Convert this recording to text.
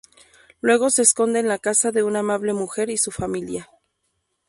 Luego se esconde en la casa de una amable mujer y su familia.